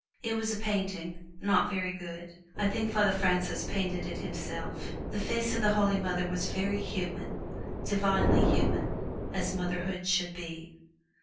It was a painting not very good. I think Father Francis painted it himself; the face of the Holy Mother was very human divinely human as motherhood should be.